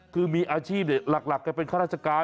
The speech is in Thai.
คือมีอาชีพหลักแกเป็นข้าราชการ